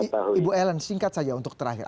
baik pak ibu ellen singkat saja untuk terakhir